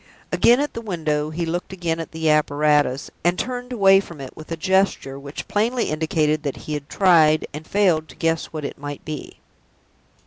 Again at the window, he looked again at the apparatus, and turned away from it with a gesture which plainly indicated that he had tried, and failed, to guess what it might be.